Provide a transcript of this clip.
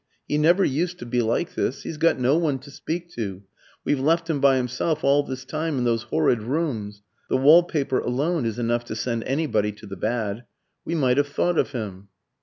He never used to be like this. He's got no one to speak to; we've left him by himself all this time in those horrid rooms. The wall paper alone is enough to send anybody to the bad. We might have thought of him."